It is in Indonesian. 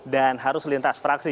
dan harus lintas fraksi